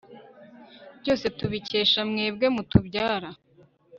byose tubikesha mwebwe mutubyara